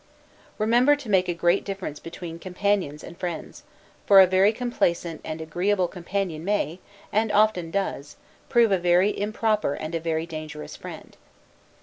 Remember to make a great difference between companions and friends; for a very complaisant and agreeable companion may, and often does, prove a very improper and a very dangerous friend.